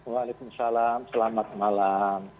waalaikumsalam selamat malam